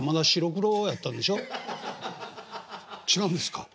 違うんですか？